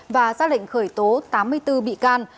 và ra lệnh khởi tố tám mươi bốn bị can